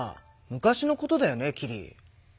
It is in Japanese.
昔のことだよねキリ。